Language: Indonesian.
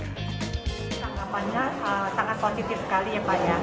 tanggapannya sangat positif sekali ya pak ya